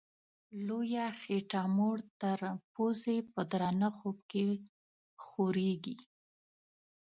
لویه خېټه موړ تر پزي په درانه خوب کي خوریږي